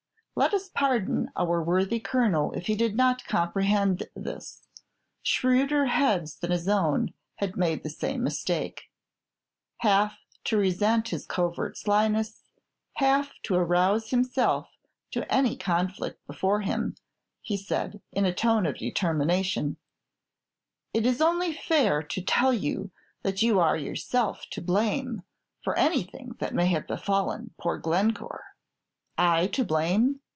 Let us pardon our worthy Colonel if he did not comprehend this; shrewder heads than his own had made the same mistake. Half to resent this covert slyness, half to arouse himself to any conflict before him, he said, in a tone of determination, "It is only fair to tell you that you are yourself to blame for anything that may have befallen poor Glencore." "I to blame!